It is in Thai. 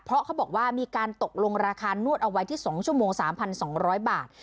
เพราะเขาบอกว่ามีการตกลงราคานวดเอาไว้ที่๒ชั่วโมง๓๒๐๐บาท